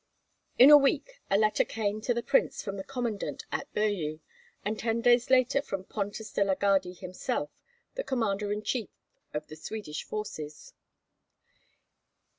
In a week a letter came to the prince from the commandant at Birji, and ten days later from Pontus de la Gardie himself, the commander in chief of the Swedish forces.